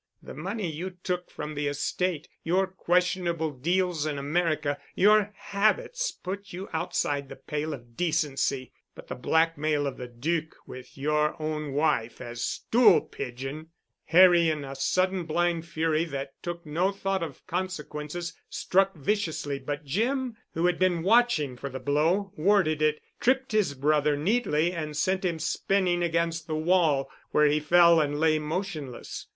The money you took from the estate, your questionable deals in America, your habits, put you outside the pale of decency, but the blackmail of the Duc with your own wife as stool pigeon——" Harry in a sudden blind fury that took no thought of consequences struck viciously, but Jim, who had been watching for the blow, warded it, tripped his brother neatly and sent him spinning against the wall where he fell and lay motionless.